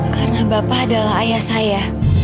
karena bapak adalah ayah saya